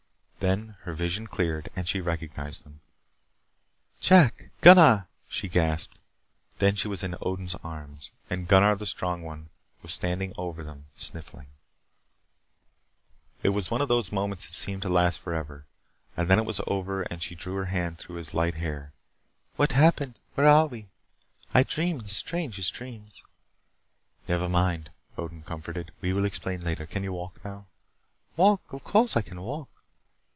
Then her vision cleared and she recognized them. "Jack Gunnar " she gasped. Then she was in Odin's arms. And Gunnar, the strong one, was standing over them sniffling. It was one of those moments that seem to last forever. And then it was over and she drew her hand through his light hair, "What happened? Where are we? I dreamed the strangest dreams." "Never mind," Odin comforted. "We will explain later. Can you walk now?" "Walk? Of course I can walk."